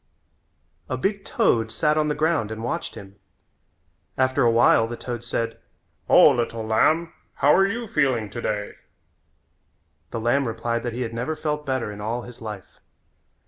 A big toad sat on the ground and watched him. After a while the toad said: "O, little lamb, how are you feeling today?" The lamb replied that he had never felt better in all his life.